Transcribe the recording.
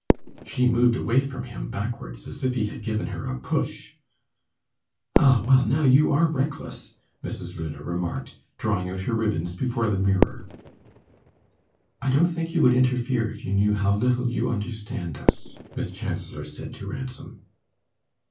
She moved away from him, backwards, as if he had given her a push. "Ah, well, now you are reckless," Mrs. Luna remarked, drawing out her ribbons before the mirror. "I don't think you would interfere if you knew how little you understand us," Miss Chancellor said to Ransom.